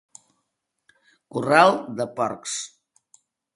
Corral de porcs.